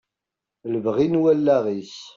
Lebɣi n wallaɣ-is.